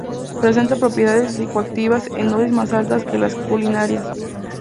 Presenta propiedades psicoactivas en dosis más altas que las culinarias.